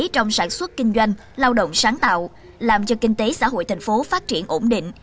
trong sản xuất kinh doanh lao động sáng tạo làm cho kinh tế xã hội thành phố phát triển ổn định